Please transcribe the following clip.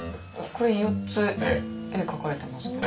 これ４つ絵描かれてますけど。